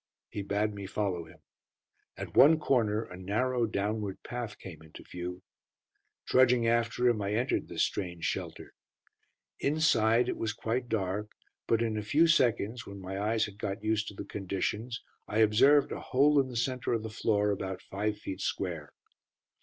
He bade me follow him. At one corner a narrow, downward path came into view. Trudging after him, I entered this strange shelter. Inside it was quite dark, but in a few seconds, when my eyes had got used to the conditions, I observed a hole in the centre of the floor about five feet square.